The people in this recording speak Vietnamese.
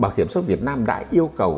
bảo hiểm xuất việt nam đã yêu cầu